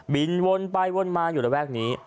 วนไปวนมาอยู่ระแวกนี้